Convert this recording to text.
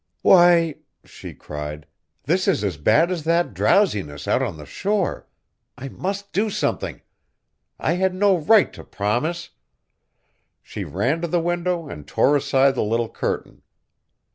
"Why!" she cried, "this is as bad as that drowsiness out on the shore. I must do something! I had no right to promise!" She ran to the window and tore aside the little curtain.